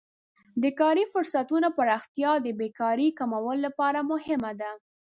د کاري فرصتونو پراختیا د بیکارۍ کمولو لپاره مهمه ده.